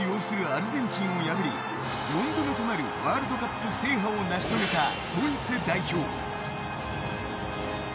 アルゼンチンを破り４度目となるワールドカップ制覇を成し遂げたドイツ代表。